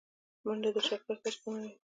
منډه د شکر کچه برابروي